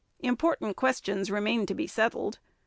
Important questions remained to be settled.